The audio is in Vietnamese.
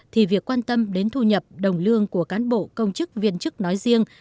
thì việc quan tâm đến thu nhập đồng lương của cán bộ công chức viên chức nói riêng